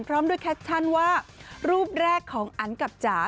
พร้อมด้วยแคปชั่นว่ารูปแรกของอันกับจ๋า